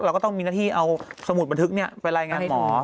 เราก็ต้องมีหน้าที่เอาสมุดบันทึกไปรายงานหมอ